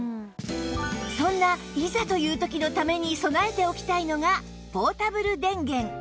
そんないざという時のために備えておきたいのがポータブル電源